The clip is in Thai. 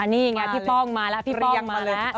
นี่พี่ป้องมาแล้ว